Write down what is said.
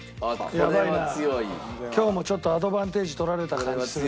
今日もちょっとアドバンテージ取られた感じするな。